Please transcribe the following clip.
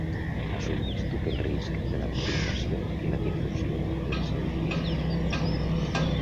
Assumeix tot el risc de la publicació i la difusió dels seus llibres.